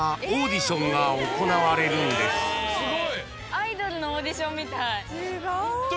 アイドルのオーディションみたい。